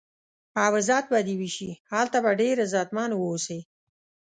او عزت به دې وشي، هلته به ډېر عزتمن و اوسې.